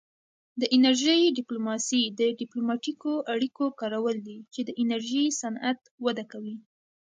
د انرژۍ ډیپلوماسي د ډیپلوماتیکو اړیکو کارول دي چې د انرژي صنعت وده کوي